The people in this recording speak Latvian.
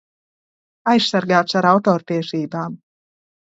Aizsargāts ar autortiesībām